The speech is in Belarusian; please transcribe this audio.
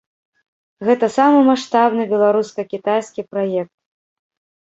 Гэта самы маштабны беларуска-кітайскі праект.